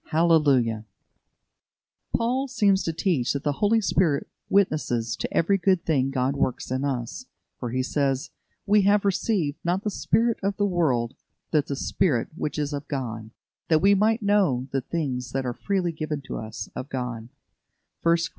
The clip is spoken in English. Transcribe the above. Hallelujah! Paul seems to teach that the Holy Spirit witnesses to every good thing God works in us, for he says: "We have received, not the spirit of the world, but the Spirit which is of God; that we might know the things that are freely given to us of God" (1 Cor.